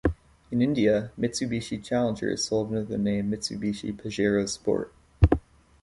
In India, Mitsubishi Challenger is sold under the name Mitsubishi Pajero Sport.